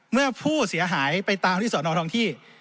เมื่อผู้เสียหายไปตามที่สอนอทองที่